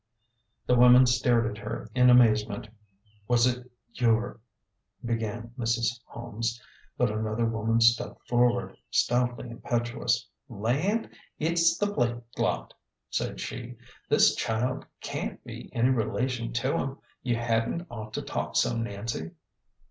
The women stared at her in amazement. " Was it your " began Mrs. Holmes ; but another woman stepped forward, stoutly impetuous. " Land ! it's the Blake lot !" said she. " This child can't be any relation to 'em. You hadn't ought to talk so, Nancy."